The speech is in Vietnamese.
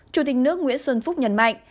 chủ tịch nước nguyễn xuân phúc nhấn mạnh